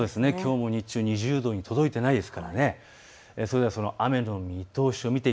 きょうも日中２０度に届いていないです。